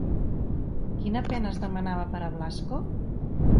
Quina pena es demanava per a Blasco?